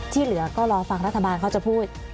ที่เหลือก็รอฟังรัฐบาลเขาจะพูด